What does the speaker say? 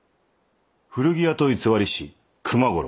古着屋と偽りし熊五郎。